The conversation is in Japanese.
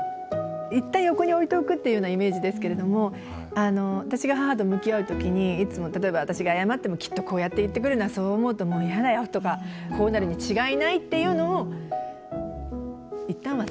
一旦横に置いておくっていうようなイメージですけれども私が母と向き合う時にいつも例えば私が謝ってもきっとこうやって言ってくるなそう思うともう嫌だよとかこうなるに違いないっていうのを一旦忘れてみた。